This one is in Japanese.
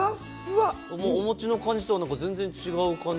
お餅の感じとは全然違う感じ